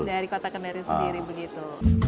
dari kota kendari sendiri begitu